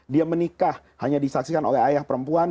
dia menikah hanya disaksikan oleh ayah perempuan